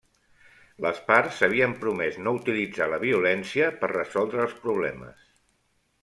Les parts havien promès no utilitzar la violència per resoldre els problemes.